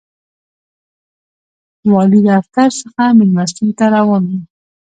والي دفتر څخه مېلمستون ته روان و.